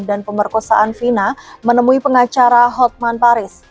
dan pemeriksaan fina menemui pengacara hotman paris